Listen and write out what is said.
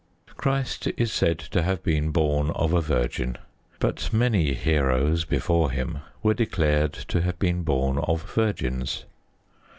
Christ is said to have been born of a virgin. But many heroes before Him were declared to have been born of virgins.